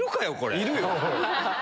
⁉いるよ！